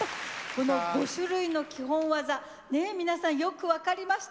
この５種類の基本技ねえ皆さんよく分かりましたよね。